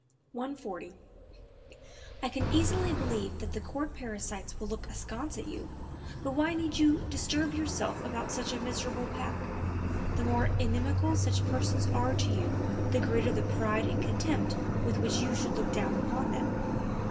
140. "I can easily believe that the court parasites will look askance at you, but why need you disturb yourself about such a miserable pack? The more inimical such persons are to you the greater the pride and contempt with which you should look down upon them."